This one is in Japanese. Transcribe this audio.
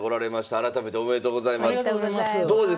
改めておめでとうございます。